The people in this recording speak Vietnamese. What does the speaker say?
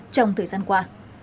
trong thời gian qua